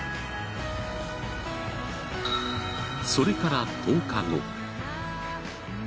それから１０日後。